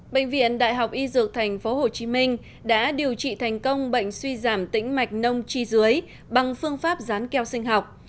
bệnh viện đại học y dược tp hcm đã điều trị thành công bệnh suy giảm tĩnh mạch nông chi dưới bằng phương pháp rán keo sinh học